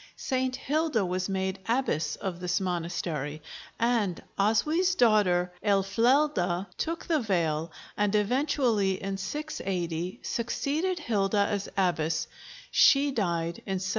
St. Hilda was made abbess of this monastery, and Oswy's daughter Aelfleda took the veil and eventually, in 680, succeeded Hilda as abbess; she died in 713.